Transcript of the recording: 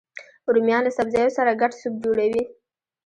رومیان له سبزیو سره ګډ سوپ جوړوي